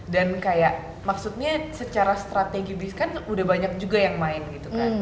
dan kayak maksudnya secara strategi kan udah banyak juga yang main gitu kan